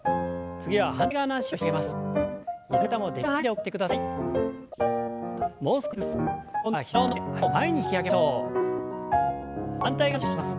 次は反対側の脚を引き上げます。